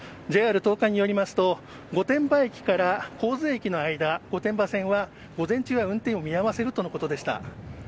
ＪＲ東海によりますと御殿場駅から国府津駅の間で御殿場線は午前中は運転を見合わせるとのことでした。